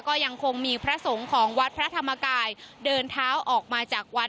ก็ยังคงมีพระสงฆ์ของวัดพระธรรมกายเดินเท้าออกมาจากวัด